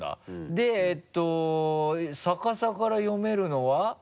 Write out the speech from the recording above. でえっと逆さから読めるのは？